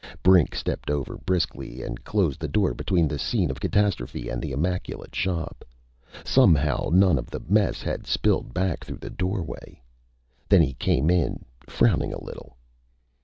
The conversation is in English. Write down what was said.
Brink stepped over briskly and closed the door between the scene of catastrophe and the immaculate shop. Somehow, none of the mess had spilled back through the doorway. Then he came in, frowning a little.